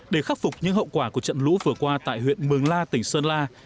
để khắc phục những hậu quả của trận lũ vừa qua tại huyện mường la tỉnh sơn la